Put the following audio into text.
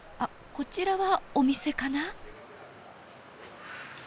こちらはお店かな？